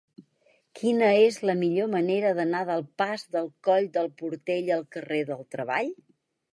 Quina és la millor manera d'anar del pas del Coll del Portell al carrer del Treball?